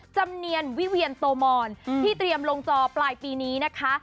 จำเนียนวิเวียนโตมอนที่เตรียมลงจอปลายปีนี้นะคะ